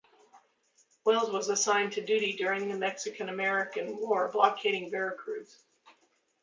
Wells was assigned to duty during the Mexican-American War blockading Vera Cruz.